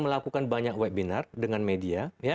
melakukan banyak webinar dengan media